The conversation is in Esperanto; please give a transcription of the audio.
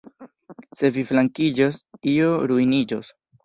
Se vi flankiĝos, io ruiniĝos!